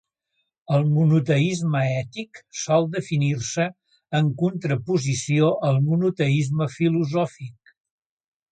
El monoteisme ètic sol definir-se en contraposició al monoteisme filosòfic.